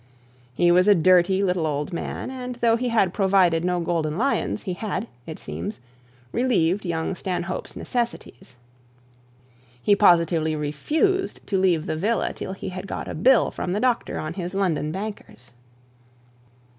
He was a dirty little old man, and though he had provided no golden lions, he had, it seems, relieved young Stanhope's necessities. He positively refused to leave the villa till he got a bill from the doctor on his London bankers.